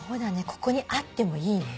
ここにあってもいいね。